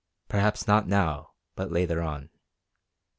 Perhaps not now; but later on."